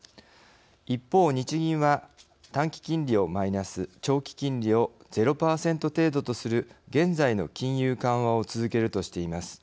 一方、日銀は短期金利をマイナス長期金利を０％程度とする現在の金融緩和を続けるとしています。